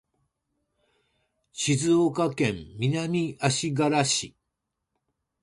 静岡県南足柄市